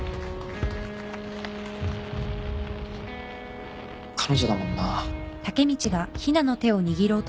彼女だもんな。